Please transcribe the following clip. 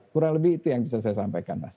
kurang lebih itu yang bisa saya sampaikan mas